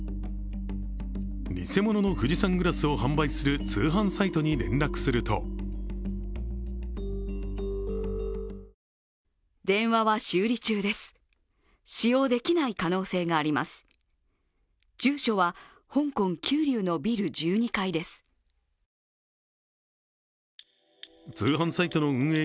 偽物の富士山グラスを販売する通販サイトに連絡すると通販サイトの運営